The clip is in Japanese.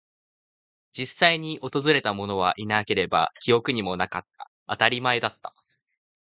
実際に訪れたものはいなければ、記憶にもなかった。当たり前だった。